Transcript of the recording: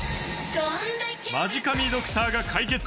マジ神ドクターが解決！